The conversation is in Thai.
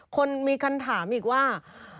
คนมีคำถามอีกว่า